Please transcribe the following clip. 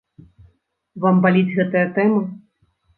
Вам баліць гэтая тэма?